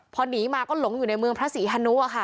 พอหนีมาก็หลงอยู่ในเมืองพระศรีฮานุอะค่ะ